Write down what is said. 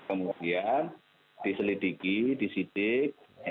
kemudian diselidiki disidik